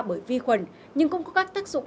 bởi vi khuẩn nhưng cũng có các tác dụng